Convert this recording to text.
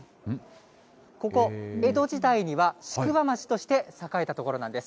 ここ、江戸時代には宿場町として栄えた所なんです。